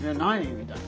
みたいな。